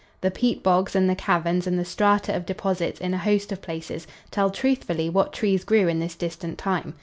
The peat bogs and the caverns and the strata of deposits in a host of places tell truthfully what trees grew in this distant time.